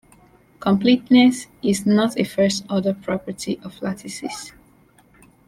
Completeness is not a first order property of lattices.